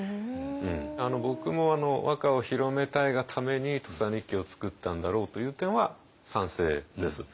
僕も和歌を広めたいがために「土佐日記」を作ったんだろうという点は賛成です。